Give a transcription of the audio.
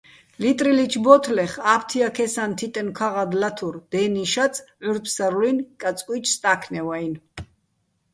ლიტრილიჩო̆ ბო́თლეხ ა́ფთიაქესაჼ თიტენო̆ ქაღალდ ლათურ: "დე́ნი შაწ, ჺურდ-ფსარლუჲნი̆ კაწკუჲჩი̆ სტა́ქნევ-აჲნო̆".